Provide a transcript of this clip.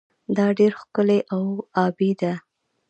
دا ډیره ښکلې او ابي ده.